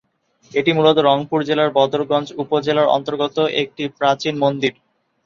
এটি মূলত রংপুর জেলার বদরগঞ্জ উপজেলার অন্তর্গত একটি প্রাচীন মন্দির।